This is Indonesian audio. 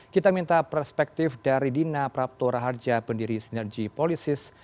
kita minta perspektif dari dina prapto raharja pendiri sinergi polisis